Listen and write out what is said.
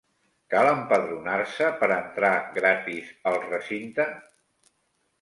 Cal empadronar-se per entrar gratis al recinte?